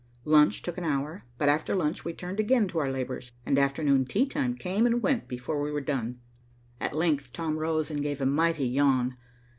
Lunch took an hour, but after lunch we turned again to our labors, and afternoon tea time came and went before we were done. At length Tom rose and gave a mighty yawn.